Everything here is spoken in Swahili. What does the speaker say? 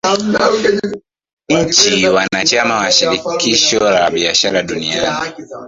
Nchi wanachama wa shirikisho la biashara duniani